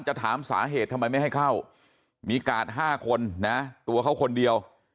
จะถามสาเหตุทำไมไม่ให้เข้ามีกาด๕คนนะตัวเขาคนเดียว